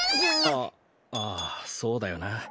あっああそうだよな。